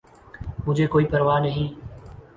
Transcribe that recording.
!مجھے کوئ پرواہ نہیں